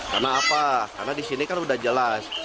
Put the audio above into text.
karena apa karena di sini kan udah jelas